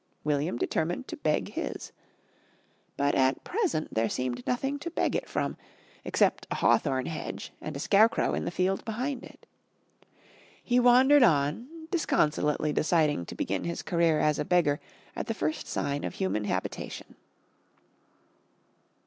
William determined to beg his. But at present there seemed nothing to beg it from, except a hawthorn hedge and a scarecrow in the field behind it. He wandered on disconsolately deciding to begin his career as a beggar at the first sign of human habitation.